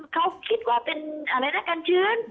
เขาคิดว่าเป็นอะไรนะกันชื้น